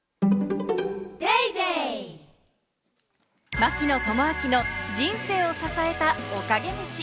槙野智章の人生を支えた、おかげ飯。